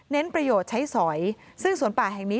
ประโยชน์ใช้สอยซึ่งสวนป่าแห่งนี้